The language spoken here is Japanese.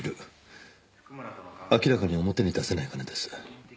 明らかに表に出せない金です。